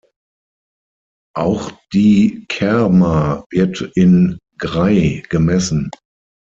Auch die Kerma wird in Gray gemessen.